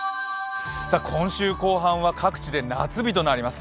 今週後半は各地で夏日となります。